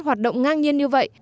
hoạt động ngang nhiên như vậy